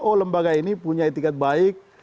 oh lembaga ini punya etikat baik